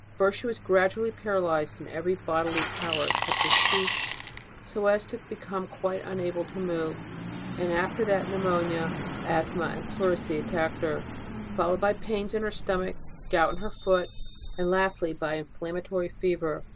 First, she was gradually para lyzed in every bodily power except her speech, so as to become quite unable to move; and after that pneumonia, asthma, and pleurisy attacked her, followed by pains in her stomach, gout in her foot, and lastly by inflammatory fever.